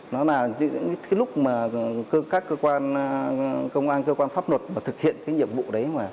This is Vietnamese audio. nó là lúc mà các cơ quan công an cơ quan pháp luật thực hiện nhiệm vụ đấy